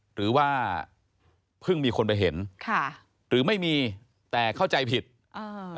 หรือว่าเพิ่งมีคนไปเห็นค่ะหรือไม่มีแต่เข้าใจผิดอ่า